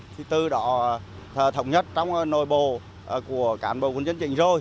thì từ đó thống nhất trong nội bộ của cán bộ quân chân chính rồi